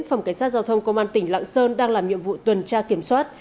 phòng cảnh sát giao thông công an tỉnh lạng sơn đang làm nhiệm vụ tuần tra kiểm soát